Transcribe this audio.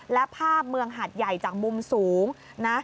และภาพเมืองหาดใหญ่จากมุมสูงนะ